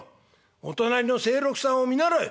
お隣の清六さんを見習え。